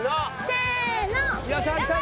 せの。